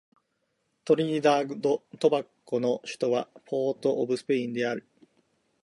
トリニダード・トバゴの首都はポートオブスペインである